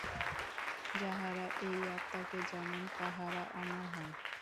যাঁহারা এই আত্মাকে জানেন, তাঁহারা অমর হন।